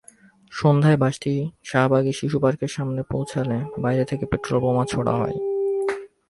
সন্ধ্যায় বাসটি শাহবাগে শিশুপার্কের সামনে পৌঁছলে বাইরে থেকে পেট্রলবোমা ছোড়া হয়।